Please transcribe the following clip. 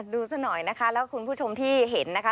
ดูซะหน่อยนะคะแล้วคุณผู้ชมที่เห็นนะคะ